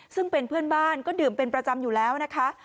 ซึ่งเป็นเพื่อนบ้านก็ดื่มเป็นประจำอยู่แล้วนะคะ